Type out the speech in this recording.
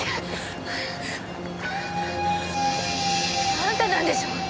あんたなんでしょ？